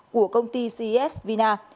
của công ty cs vina